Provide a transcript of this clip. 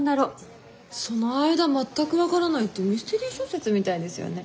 その間全く分からないってミステリー小説みたいですよね。